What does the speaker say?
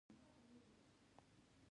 هغوی واک درلود چې تعلیم روا کړي.